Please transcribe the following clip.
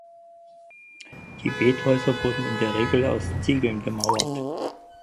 Die Bethäuser wurden in der Regel aus Ziegeln gemauert.